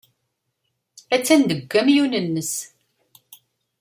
Attan deg ukamyun-nnes.